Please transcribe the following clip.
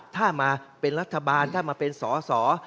ถ้ามาเป็นรัฐบาลถ้ามาเป็นสอสอ